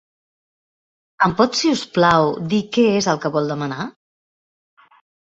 Em pot, si us plau, dir què és el que vol demanar?